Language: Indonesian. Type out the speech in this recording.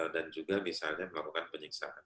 juga misalnya melakukan penyiksaan